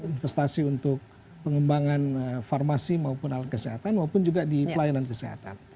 investasi untuk pengembangan farmasi maupun alat kesehatan maupun juga di pelayanan kesehatan